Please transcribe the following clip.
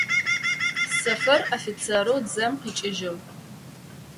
Сэфэр офицерэу дзэм къикӏыжъыгъ.